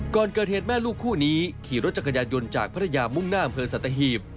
ก่อนเกิดเหตุแม่ลูกคู่นี้ขี่รถจักรยานยนต์จากพัทยามุ่งหน้าอำเภอสัตหีบ